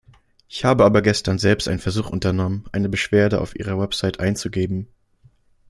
Ich habe aber gestern selbst einen Versuch unternommen, eine Beschwerde auf Ihrer Website einzugeben.